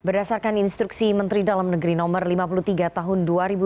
berdasarkan instruksi menteri dalam negeri no lima puluh tiga tahun dua ribu dua puluh